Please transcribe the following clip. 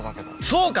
そうか。